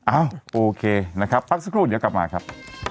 อะโอเคนะครับปั๊บซะครูดเดี๋ยวกลับมาครับ